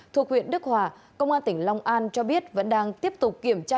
thuộc huyện đức hòa công an tỉnh long an cho biết vẫn đang tiếp tục kiểm tra